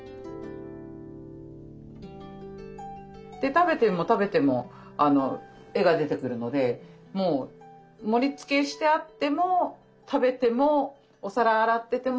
食べても食べても絵が出てくるので盛りつけしてあっても食べてもお皿洗ってても楽しい。